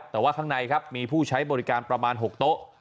แต่ว่าข้างในครับมีผู้ใช้บริการประมาณ๖โต๊ะ